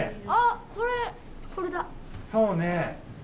そうね。